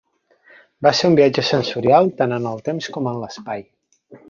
Va ser un viatge sensorial tant en el temps com en l'espai.